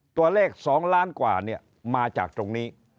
ตัวเลข๒ล้านกว่าเนี่ยมาจากตรงนี้